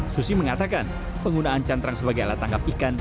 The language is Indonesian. susi mengatakan penggunaan cantrang sebagai alat tangkap ikan